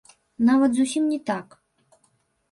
Нават зусім не так!